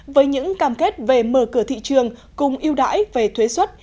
với những cam kết về mở cửa thị trường cùng yêu đãi về thuế xuất